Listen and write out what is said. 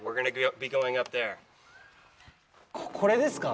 これですか。